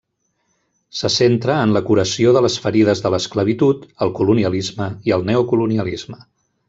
Se centra en la curació de les ferides de l'esclavitud, el colonialisme i el neocolonialisme.